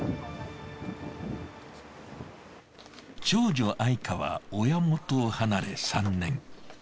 長女愛華は親元を離れ３年。